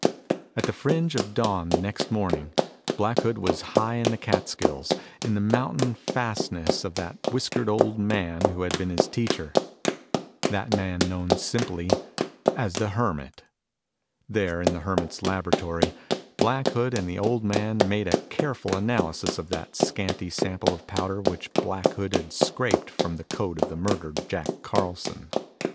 At the fringe of dawn the next morning, Black Hood was high in the Catskills, in the mountain fastness of that whiskered old man who had been his teacher that man known simply as the Hermit. There in the Hermit's laboratory, Black Hood and the old man made a careful analysis of that scanty sample of powder which Black Hood had scraped from the coat of the murdered Jack Carlson.